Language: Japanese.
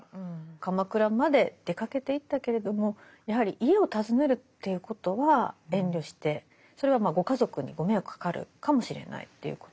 鎌倉まで出かけていったけれどもやはり家を訪ねるということは遠慮してそれはご家族にご迷惑かかるかもしれないということ。